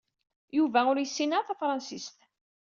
Yuba ur yessin ara tafṛansist.